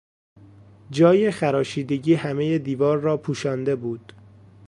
جای خراشیدگی همهی دیوار را پوشانده بود.